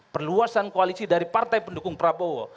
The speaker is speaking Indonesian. perluasan koalisi dari partai pendukung prabowo